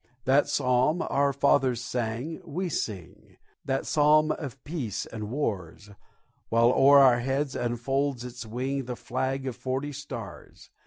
That psalm our fathers sang we sing, That psalm of peace and wars, While o'er our heads unfolds its wing The flag of forty stars.